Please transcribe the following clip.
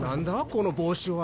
この帽子は。